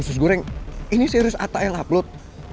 sus goreng ini serius atta yang upload